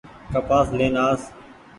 ڪپآس لين آس۔